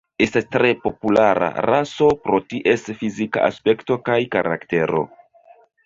Estas tre populara raso pro ties fizika aspekto kaj karaktero.